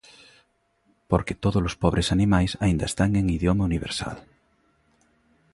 Porque todos os pobres animais aínda están en idioma universal.